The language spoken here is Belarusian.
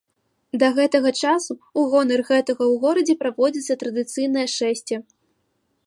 Да гэтага часу ў гонар гэтага ў горадзе праводзіцца традыцыйнае шэсце.